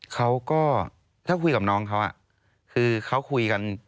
เขาก็ถ้าคุยกับน้องเขาคือเขาคุยกัน